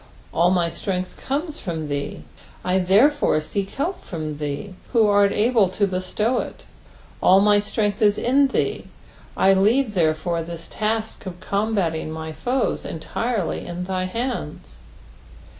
All my Strength comes from thee, I therefore seek help from thee, who art able to bestow it. All my Btrenglh is In thee, I leave therefore this task of combating my foes entirely in thy hands.